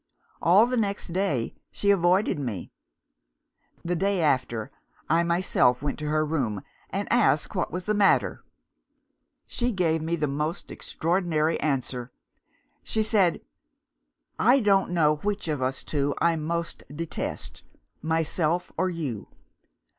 All the next day, she avoided me. The day after, I myself went to her room, and asked what was the matter. She gave me a most extraordinary answer. She said, 'I don't know which of us two I most detest myself or you.